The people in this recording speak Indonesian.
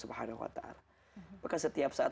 maka setiap saat